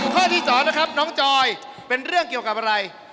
ข้อที่๒นะครับน้องจอยเป็นเรื่องเกี่ยวกับอะไร